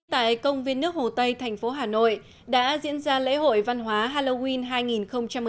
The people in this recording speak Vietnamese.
tại công viên nước hồ tây thành phố hà nội đã diễn ra lễ hội văn hóa halloween hai nghìn một mươi chín